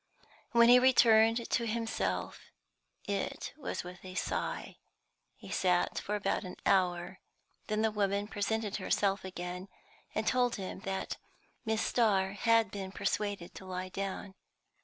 When he returned to himself, it was with a sigh. He sat for about an hour; then the woman presented herself again, and told him that Miss Starr had been persuaded to lie down.